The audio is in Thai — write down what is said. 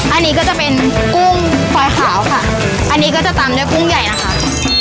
อันนี้ก็จะเป็นกุ้งฟอยขาวค่ะอันนี้ก็จะตามด้วยกุ้งใหญ่นะคะ